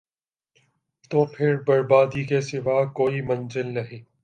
تو پھر بربادی کے سوا کوئی منزل نہیں ۔